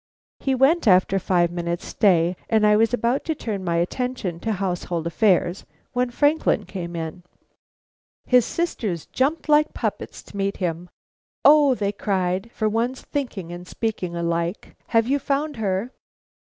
He went after a five minutes' stay, and I was about to turn my attention to household affairs, when Franklin came in. His sisters jumped like puppets to meet him. "O," they cried, for once thinking and speaking alike, "have you found her?"